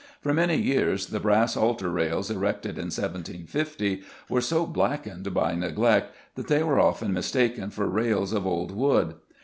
For many years the brass altar rails, erected in 1750, were so blackened by neglect that they were often mistaken for rails of old wood.